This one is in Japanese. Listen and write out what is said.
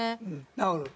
治る？